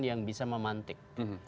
yang bisa memantik